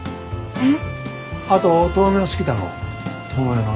えっ？